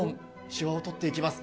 しわをとっていきます。